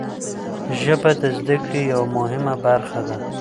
ژبه د زده کړې یوه مهمه برخه ده.